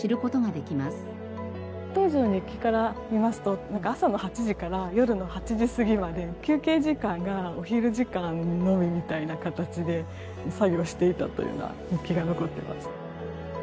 当時の日記から見ますと朝の８時から夜の８時過ぎまで休憩時間がお昼時間のみみたいな形で作業していたというような日記が残っています。